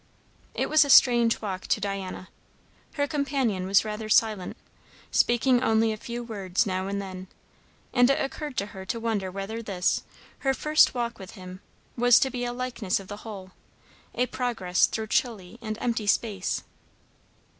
It was a strange walk to Diana; her companion was rather silent, speaking only a few words now and then; and it occurred to her to wonder whether this, her first walk with him, was to be a likeness of the whole; a progress through chilly and empty space.